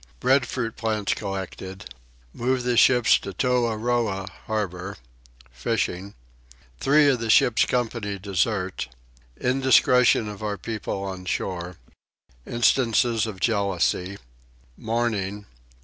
Breadfruit Plants collected. Move the Ship to Toahroah Harbour. Fishing. Three of the Ship's Company desert. Indiscretion of our People on Shore. Instances of Jealousy. Mourning.